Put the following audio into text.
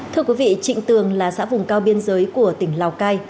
thưa quý vị trịnh tường là xã vùng cao biên giới của tỉnh lào cai